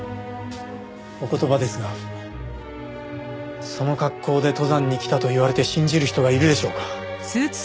お言葉ですがその格好で登山に来たと言われて信じる人がいるでしょうか？